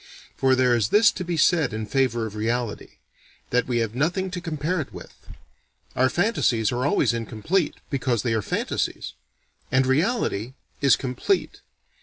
For there is this to be said in favor of reality: that we have nothing to compare it with. Our fantasies are always incomplete, because they are fantasies. And reality is complete.